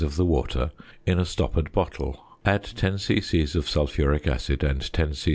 of the water in a stoppered bottle, add 10 c.c. of sulphuric acid and 10 c.c.